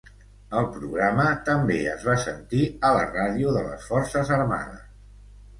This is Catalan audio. El programa també es va sentir a la ràdio de les forces armades.